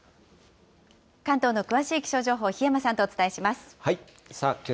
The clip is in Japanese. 関東の詳しい気象情報、檜山さんとお伝えします。